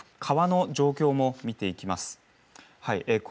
また川の状況も見ていきます。